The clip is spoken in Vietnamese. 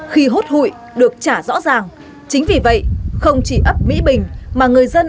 khi hốt hụi được trả rõ ràng chính vì vậy không chỉ ấp mỹ bình mà người dân